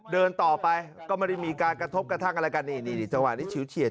เดินต่อไปก็ไม่ได้มีการกระทบกระทั่งอะไรกันนี่นี่จังหวะนี้ฉิวเฉียด